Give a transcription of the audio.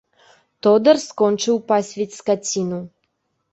Тодар скончыў пасвіць скаціну.